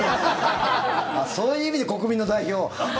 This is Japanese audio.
そういう意味で国民の代表。